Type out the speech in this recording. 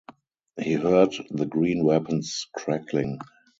He heard the green weapons crackling.